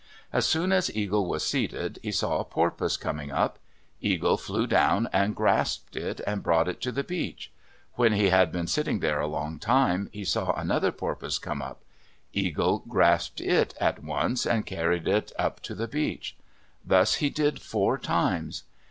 As soon as Eagle was seated, he saw a porpoise coming up. Eagle flew down and grasped it and brought it to the beach. When he had been sitting there a long time, he saw another porpoise come up. Eagle grasped it at once and carried it up to the beach. Thus he did four times.